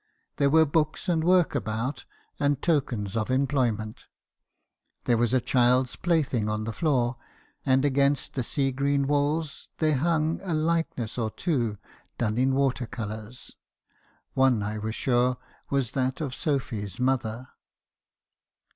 There were books and work about, and tokens of employment: there was a child's plaything on the floor; and against the sea green walls there hung a likeness or two , done in water colours ;— one, I was sure, was that of Sophy's mother.